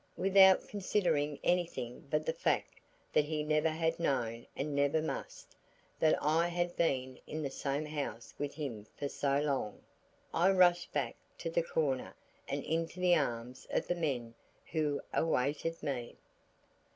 Without considering anything but the fact that he never had known and never must, that I had been in the same house with him for so long, I rushed back to the corner and into the arms of the men who awaited me.